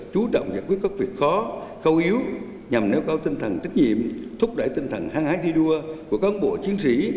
chú động giải quyết các việc khó khâu yếu nhằm nêu cao tinh thần trách nhiệm thúc đẩy tinh thần hãng hái thi đua của các bộ chiến sĩ